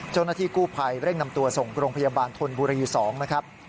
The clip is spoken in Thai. เจ้าหน้าที่กู้ภัยเร่งนำตัวส่งโรงพยาบาลธนบุรี๒นะครับ